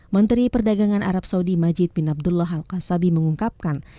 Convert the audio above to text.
menteri perdagangan arab saudi majid bin abdullah hal kasabi mengungkapkan